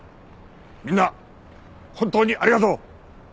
みんな本当にありがとう。